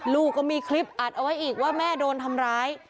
ลูกก็มีคลิปอัดเอาไว้อีกว่าแม่โดนทำร้าย